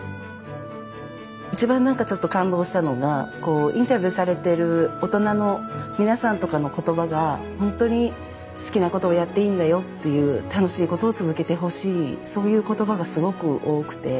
一番何かちょっと感動したのがこうインタビューされてる大人の皆さんとかの言葉が本当に好きなことをやっていいんだよっていう楽しいことを続けてほしいそういう言葉がすごく多くて。